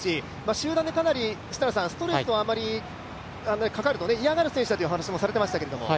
集団でストレスがかかると嫌がる選手だという話もされていましたけれども。